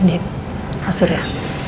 nanti asur ya